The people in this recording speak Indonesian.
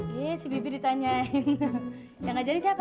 eh si bibi ditanyain yang ngajarin siapa